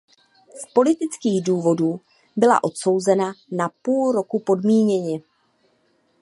Z politických důvodů byla odsouzena na půl roku podmíněně.